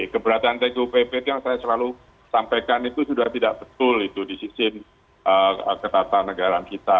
keberatan tgupp itu yang saya selalu sampaikan itu sudah tidak betul itu di sistem ketatanegaraan kita